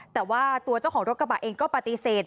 แต่ว่าตัวเจ้าของรถกระบะเองก็ปฏิเสธ